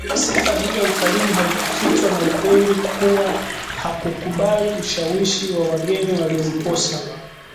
Sifa hii ya ukarimu haikufichwa na ukweli kuwa hakukubali ushawishi wa wageni waliomposa